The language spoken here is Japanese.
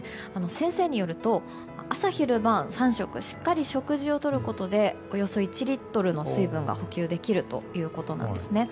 先生によると、朝昼晩３食しっかり食事をとることでおよそ１リットルの水分が補給できるということです。